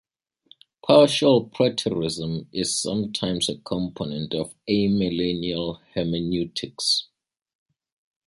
Partial preterism is sometimes a component of amillennial hermeneutics.